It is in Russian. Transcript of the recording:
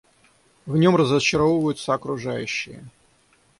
В нем разочаровываются окружающие.